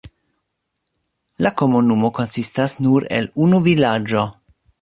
La komunumo konsistas nur el unu vilaĝo.